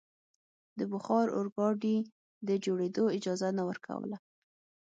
د بخار اورګاډي د جوړېدو اجازه نه ورکوله.